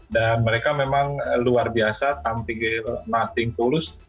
dan mereka memang luar biasa tampil di ajang piala uber